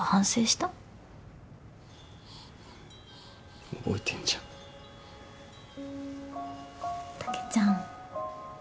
たけちゃん。